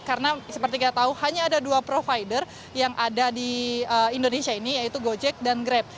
karena seperti kita tahu hanya ada dua provider yang ada di indonesia ini yaitu gojek dan grab